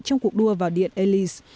trong cuộc đua vào điện elis